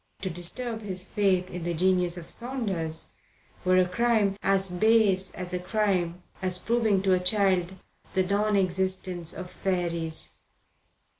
To disturb his faith in the genius of Saunders were a crime as base a crime as proving to a child the non existence of fairies.